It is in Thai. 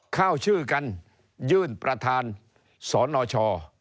เข้าชื่อกันยื่นประธานสนช